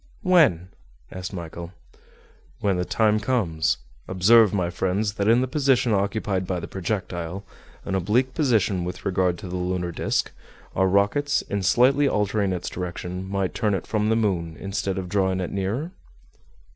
"When?" asked Michel. "When the time comes. Observe, my friends, that in the position occupied by the projectile, an oblique position with regard to the lunar disc, our rockets, in slightly altering its direction, might turn it from the moon instead of drawing it nearer?"